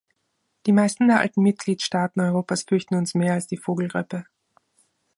Die meisten der alten Mitgliedstaaten Europas fürchten uns mehr als die Vogelgrippe.